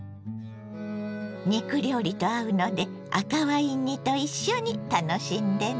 肉料理と合うので赤ワイン煮と一緒に楽しんでね。